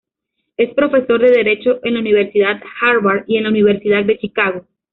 Es profesor de Derecho en la Universidad Harvard y en la Universidad de Chicago.